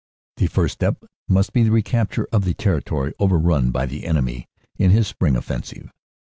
The first step must be the recapture of the territory over run by the enemy in his spring offensive.